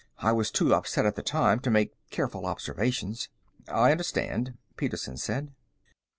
I was too upset at the time to make careful observations." "I understand," Petersen said.